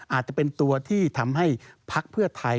อาจจะเป็นตัวที่ทำให้พักเพื่อไทย